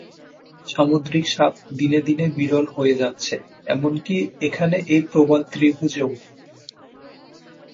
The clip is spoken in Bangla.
সামুদ্রিক সাপ দিনে দিনে বিরল হয়ে যাচ্ছে, এমনকি এখানে এই প্রবাল ত্রিভুজেও।